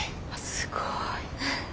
すごい。